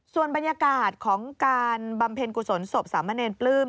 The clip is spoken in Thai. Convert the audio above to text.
ส่วนบรรยากาศของการบำเพ็ญกุศลศพสามเณรปลื้ม